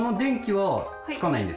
はい。